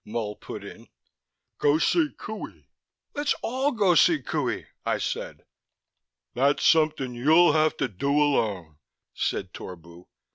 Mull put in. "Go see Qohey." "Let's all go see Qohey!" I said. "That's something you'll have to do alone," said Torbu.